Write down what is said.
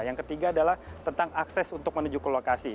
yang ketiga adalah tentang akses untuk menuju ke lokasi